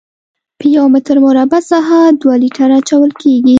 په یو متر مربع ساحه دوه لیټره اچول کیږي